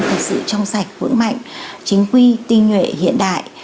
về sự trong sạch vững mạnh chính quy tiên nhuệ hiện đại